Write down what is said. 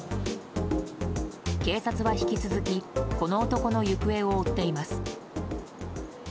警察は引き続きこの男の行方を追っています。